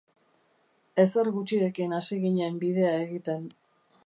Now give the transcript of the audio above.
Ezer gutxirekin hasi ginen bidea egiten.